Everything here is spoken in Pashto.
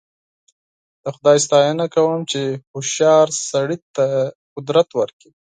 د خدای ستاینه کوم چې هوښیار سړي ته قدرت ورکړ.